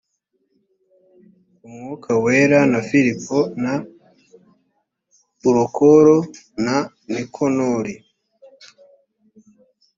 umwuka wera na filipo na purokoro na nikanori